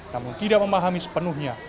namun tidak memahami sepenuhnya